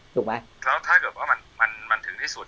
ถ้าเกิดว่ามันถึงที่สุด